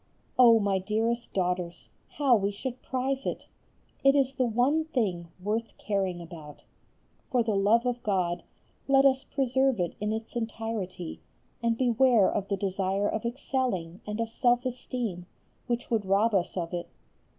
Oh! my dearest daughters, how we should prize it! It is the one thing worth caring about. For the love of God, let us preserve it in its entirety, and beware of the desire of excelling and of self esteem, which would rob us of it.